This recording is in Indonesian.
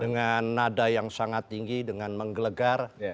dengan nada yang sangat tinggi dengan menggelegar